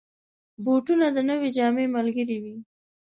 بوټونه د نوې جامې ملګري وي.